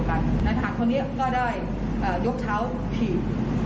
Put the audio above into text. เจอกันไปถ่ายที่สนามคุกซ้ำของปีชาติด้วย